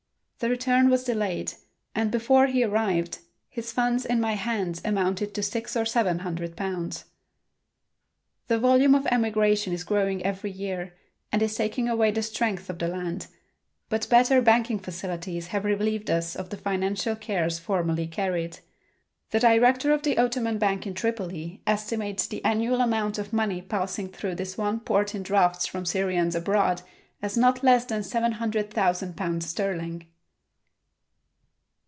The return was delayed, and before he arrived his funds in my hands amounted to six or seven hundred pounds. The volume of emigration is growing every year and is taking away the strength of the land, but better banking facilities have relieved us of the financial cares formerly carried. The director of the Ottoman Bank in Tripoli estimates the annual amount of money passing through this one port in drafts from Syrians abroad as not less than seven hundred thousand pounds sterling.